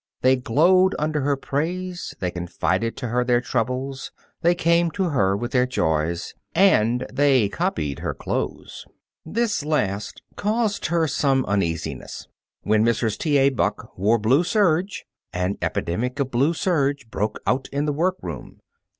They glowed under her praise; they confided to her their troubles; they came to her with their joys and they copied her clothes. This last caused her some uneasiness. When Mrs. T. A. Buck wore blue serge, an epidemic of blue serge broke out in the workroom.